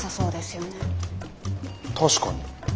確かに。